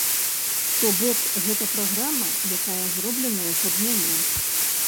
То бок, гэта праграма, якая зробленая пад мяне.